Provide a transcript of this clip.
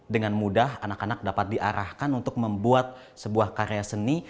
dengan mudah anak anak dapat diarahkan untuk membuat sebuah karya seni